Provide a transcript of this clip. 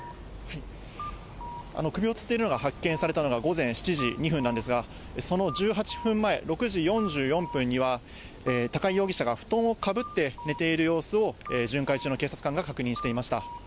首をつっているのが発見されたのが午前７時２分なんですが、その１８分前、６時４４分には、高井容疑者が布団をかぶって寝ている様子を巡回中の警察官が確認していました。